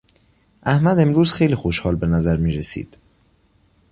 احمد امروز خیلی خوشحال به نظر میرسید.